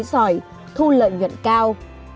giỏi thu lợi nguyện cao